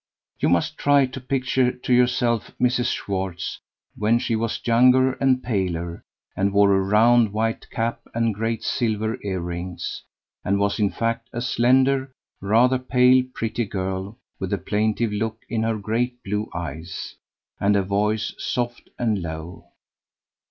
You must try to picture to yourselves Mrs. Schwartz when she was younger and paler, and wore a round white cap and great silver ear rings, and was in fact a slender, rather pale pretty girl with a plaintive look in her great blue eyes, and a voice soft and low.